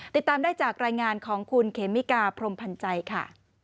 ติดตามได้จากรายงานของคุณเขมิกาพรมพันธ์ใจค่ะ